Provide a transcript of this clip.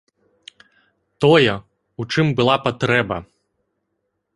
Тое, у чым была патрэба.